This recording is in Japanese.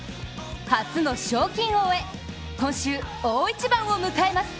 初の賞金王へ、今週大一番を迎えます。